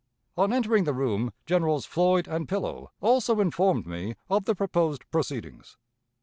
On entering the room. Generals Floyd and Pillow also informed me of the proposed proceedings.